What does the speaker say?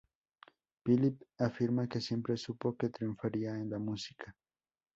Philip afirma que siempre supo que triunfaría en la música.